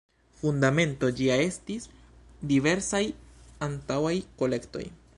Fundamento ĝia estis diversaj antaŭaj kolektoj.